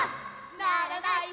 「ならない」